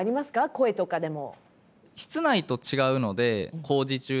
声とかでも。